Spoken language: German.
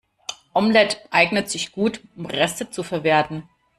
Omelette eignet sich gut, um Reste zu verwerten.